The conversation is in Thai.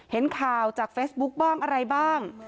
เห็นข่าวจากเฟซบุ๊คบ้างอะไรบ้าง